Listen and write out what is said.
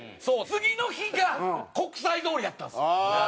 次の日が国際通りやったんですよ。